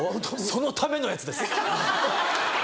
そのためのやつです！